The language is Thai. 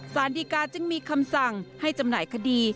สารดีกาจึงมีคำสั่งให้จำหน่ายคดี